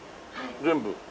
全部。